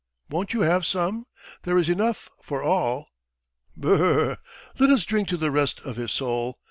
... Won't you have some? There is enough for all. ... B r r r. ... Let us drink to the rest of his soul!